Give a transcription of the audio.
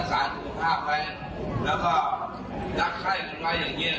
ให้พอไม่เกิด